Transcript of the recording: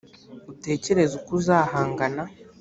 utekereze uko uzahangana